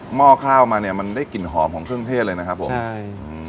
หม้อข้าวมาเนี้ยมันได้กลิ่นหอมของเครื่องเทศเลยนะครับผมใช่อืม